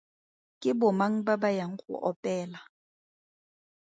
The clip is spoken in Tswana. Ke bomang ba ba yang go opela?